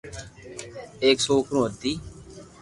ايڪ سوڪرو ھتي